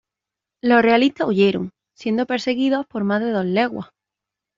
Los realistas huyeron, siendo perseguidos por más de dos leguas.